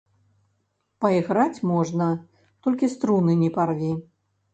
Пайграць можна, толькі струны не парві.